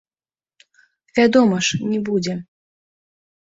Вядома ж, не будзе.